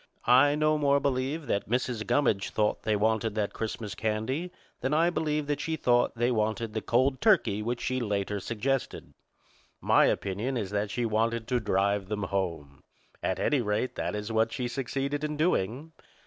I no more believe that Mrs. Gummidge thought they wanted that Christmas candy than I believe that she thought they wanted the cold turkey which she later suggested. My opinion is that she wanted to drive them home. At any rate, that is what she succeeded in doing.